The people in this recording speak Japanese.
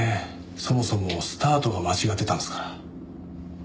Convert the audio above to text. そもそもスタートが間違ってたんですから。